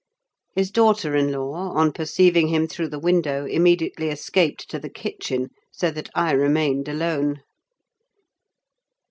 His daughter in law, on perceiving him through the window, immediately escaped to the kitchen, so that I remained alone.